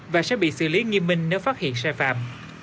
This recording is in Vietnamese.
và sẽ bị xử lý nghiêm minh nếu phát hiện sai phạm